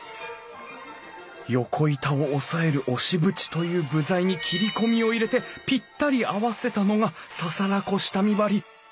横板を押さえる押縁という部材に切り込みを入れてぴったり合わせたのが簓子下見張り。